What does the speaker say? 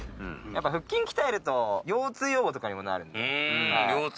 やっぱ腹筋鍛えると腰痛予防とかにもなる。